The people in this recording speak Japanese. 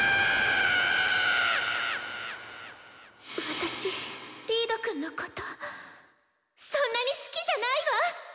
私リードくんのことそんなに好きじゃないわ。